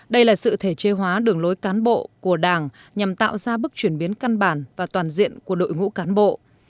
đây là sự thể chế hóa đường lối cán bộ của đảng nhằm tạo ra bước chuyển biến căn bản và toàn diện của đội ngũ cán bộ